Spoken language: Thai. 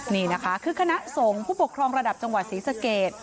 นี่นะคะคือคณะสงฆ์ผู้ปกครองระดับจังหวัดศรีสเกต